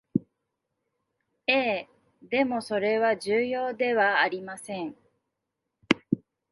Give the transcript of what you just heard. ええ、でもそれは重要ではありません